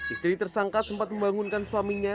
istri tersangka sempat membangunkan suaminya